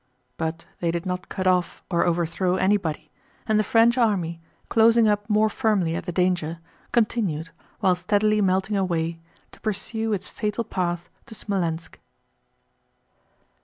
But they did not cut off or overthrow anybody and the French army, closing up more firmly at the danger, continued, while steadily melting away, to pursue its fatal path to Smolénsk.